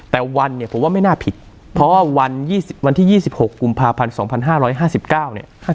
แต่วันเนี่ยผมว่าไม่น่าผิดเพราะว่าวันที่๒๖กุมภาพันธ์๒๕๕๙เนี่ย